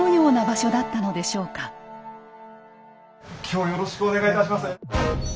今日よろしくお願いいたします。